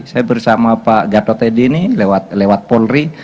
saya bersama pak gatot t d ini lewat polri